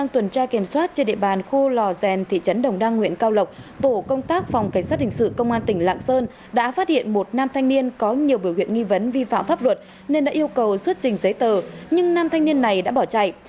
trên địa bàn khu lò gèn thị trấn đồng đăng huyện cao lộc tổ công tác phòng cảnh sát hình sự công an tỉnh lạng sơn đã phát hiện một nam thanh niên có nhiều biểu huyện nghi vấn vi phạm pháp luật nên đã yêu cầu xuất trình giấy tờ nhưng nam thanh niên này đã bỏ chạy